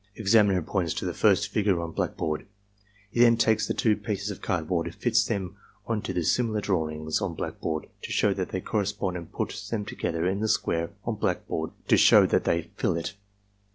Examiner points to the first figure on blackboard. He then takes the two pieces of cardboard, fits them on to the similar drawings on blackboard to show that they correspond and puts them together in the square on black board to show that they fill it.